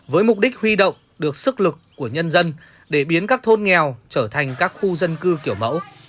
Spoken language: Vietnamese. với mục đích huy động được sức lực của nhân dân để biến các thôn nghèo trở thành các khu dân cư kiểu mẫu